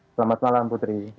selamat malam putri